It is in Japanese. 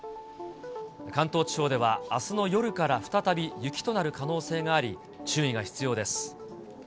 関東地方ではあすの夜から再び雪となる可能性があり、注意が必要